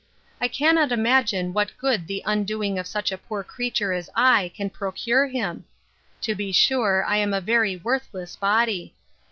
I cannot imagine what good the undoing of such a poor creature as I can procure him.—To be sure, I am a very worthless body.